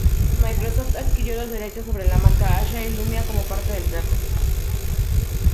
Microsoft adquirió los derechos sobre la marca Asha y Lumia como parte del trato.